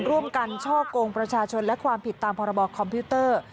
ร่วมกันช่อกงประชาชนและความผิดตามพรบคอมพิวเตอร์